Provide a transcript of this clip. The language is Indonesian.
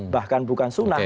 bahkan bukan sunnah